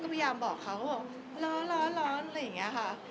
ก็พยายามบอกเขาล้ออะไรอย่างนี้ค่ะ